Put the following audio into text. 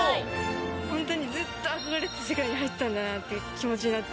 本当にずっと憧れていた世界に入ったんだなという気持ちになって。